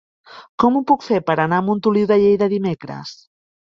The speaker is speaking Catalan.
Com ho puc fer per anar a Montoliu de Lleida dimecres?